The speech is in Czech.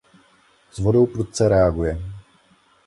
S vodou prudce reaguje.